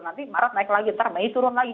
nanti maret naik lagi ntar mei turun lagi